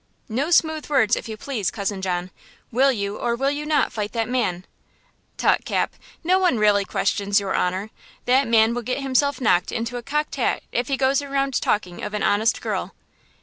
"No smooth words, if you please, cousin John! Will you or will you not fight that man?" "Tut, Cap, no one really questions your honor–that man will get himself knocked into a cocked hat if he goes around talking of an honest girl!"